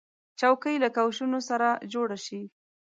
چوکۍ له کوشنو سره جوړه شي.